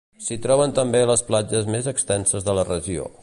S'hi troben també les platges més extenses de la regió.